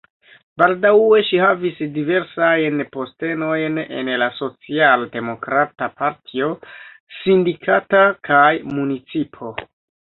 Baldaŭe ŝi havis diversajn postenojn en la socialdemokrata partio, sindikato kaj municipo.